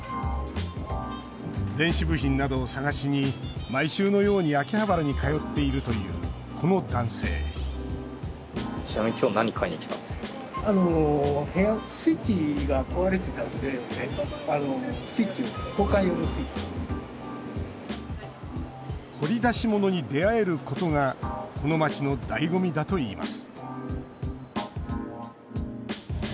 電子部品などを探しに毎週のように秋葉原に通っているというこの男性掘り出し物に出会えることがこの街の醍醐味だといいます